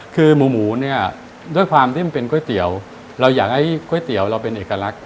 คือหมูหมูเนี่ยด้วยความที่มันเป็นก๋วยเตี๋ยวเราอยากให้ก๋วยเตี๋ยวเราเป็นเอกลักษณ